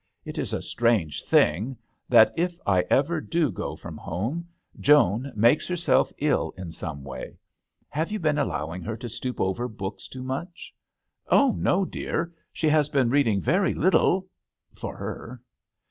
It is a strange thing that if I ever do go from home, Joan makes herself ill in some way. Have you been allowing her to stoop over books too much ?" ''Oh no, dear, she has been reading very little for her."